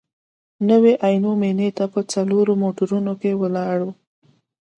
نوي عینو مېنې ته په څلورو موټرونو کې ولاړو.